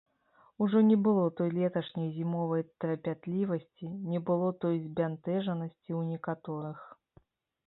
Ужо не было той леташняй зімовай трапятлівасці, не было той збянтэжанасці ў некаторых.